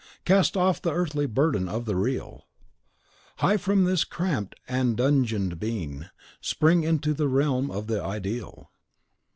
Cast off the earthly burden of the Real; High from this cramped and dungeoned being, spring Into the realm of the Ideal.